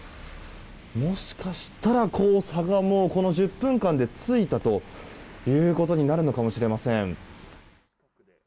もしかしたら黄砂がもう、この１０分間でついたということになるのかもしれません。